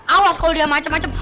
awas kalau dia macem macem